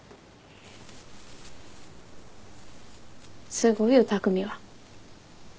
すごいよ匠は。